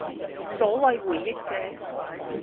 所謂回憶者，